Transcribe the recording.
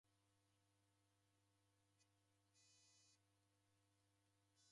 Ndoe edukwa ni vua nyingi.